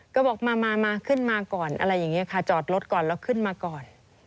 ก็บอกมามาขึ้นมาก่อนอะไรอย่างนี้ค่ะจอดรถก่อนแล้วขึ้นมาก่อน